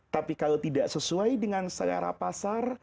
tapi kalau tidak sesuai dengan selera pasar